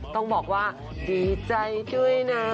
ต้องบอกว่าดีใจด้วยนะ